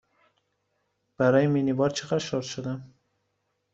برای مینی بار چقدر شارژ شدم؟